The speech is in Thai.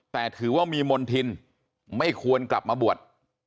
แต่ถือว่ามีมณฑินไม่ควรกลับมาบวช